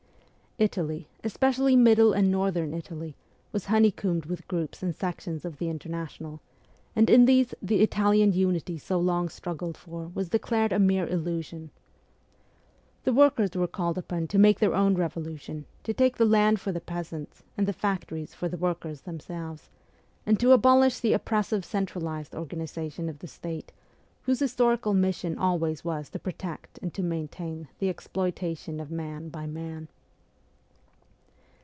Italy, especially middle and northern Italy, was honeycombed with groups and sections of the Inter national ; and in these the Italian unity so long struggled for was declared a mere illusion. The workers were called upon to make their own revolu tion to take the land for the peasants and the factories for the workers themselves, and to abolish the oppressive centralized organization of the State, whose historical mission always was to protect and to main tain the exploitation of man by man.